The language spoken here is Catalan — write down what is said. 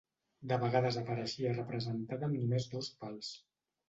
De vegades apareixia representat amb només dos pals.